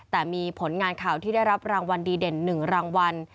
แต่มีผลงานข่าวที่ได้รับรางวัลดีเด่น๑รางวัล